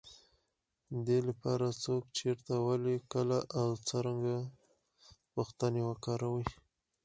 دې لپاره، څوک، چېرته، ولې، کله او څرنګه پوښتنې وکاروئ.